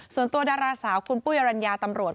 ส่วนตัวดาราสาวคุณปุ้ยอรัญญาตำรวจ